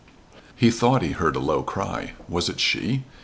He thought he heard a low cry. Was it she?